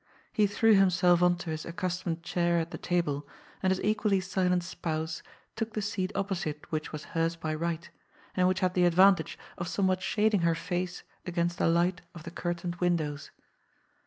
He threw himself on to his accustomed chair at the table, and his equally silent spouse took the seat oppo site which was hers by right, and which had the advantage of somewhat shading her face against the light of the cur tained windows.